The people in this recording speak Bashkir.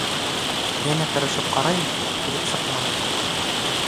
Йәнә тырышып ҡарайым, килеп сыҡмай.